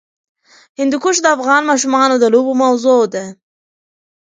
هندوکش د افغان ماشومانو د لوبو موضوع ده.